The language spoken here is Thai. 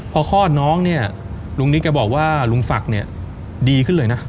พอคลอดน้องเนี่ยลุงนิดก็บอกว่าลุงศักดิ์เนี่ยดีขึ้นเลยนะ